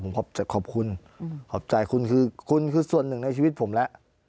ผมขอขอบคุณขอบใจคุณคือคุณคือส่วนหนึ่งในชีวิตผมแล้ว